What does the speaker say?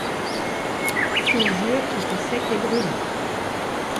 Ses yeux étaient secs et brûlants.